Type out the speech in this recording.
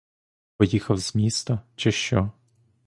Поїхав з міста, чи що?